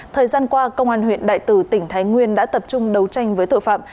thời gian qua công an huyện đại tử tỉnh thái nguyên đã tập trung đấu tranh với tội phạm